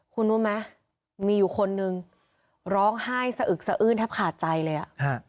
คุณรู้ไหมมีอยู่คนนึงร้องไห้สะอึกสะอื้นแทบขาดใจเลยอ่ะฮะ